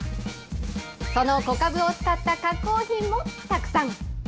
その小かぶを使った加工品もたくさん。